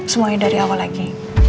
semuanya dari awal lagi